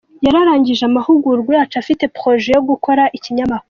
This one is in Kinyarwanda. Yari arangije amahugurwa yacu, afite na projet yo gukora ikinyamakuru.